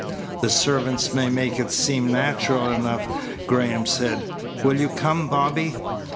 "The servants may make it seem natural enough," Graham said. "Will you come, Bobby?"